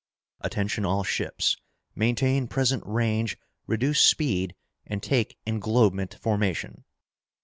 "Attention all ships! Maintain present range, reduce speed, and take englobement formation!"